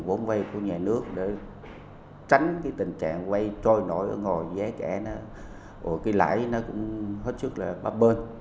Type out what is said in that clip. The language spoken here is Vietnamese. vốn vây của nhà nước để tránh cái tình trạng vây trôi nổi ở ngồi giá kẻ nó cái lãi nó cũng hết sức là ba bên